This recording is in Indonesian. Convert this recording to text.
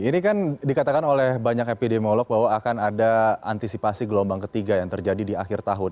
ini kan dikatakan oleh banyak epidemiolog bahwa akan ada antisipasi gelombang ketiga yang terjadi di akhir tahun